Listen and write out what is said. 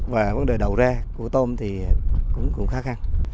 và vấn đề đầu ra của tôm thì cũng khó khăn